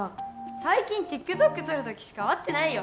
最近ＴｉｋＴｏｋ撮るときしか会ってないよ